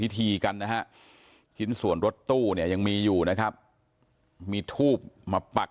ทีกันนะฮะชิ้นส่วนรถตู้เนี่ยยังมีอยู่นะครับมีทูบมาปัก